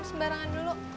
kita sembarangan dulu